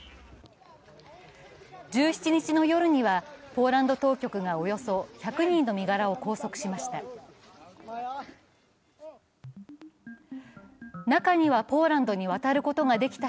１７日の夜にはポーランド当局がおよそ１００人の身柄を拘束しました。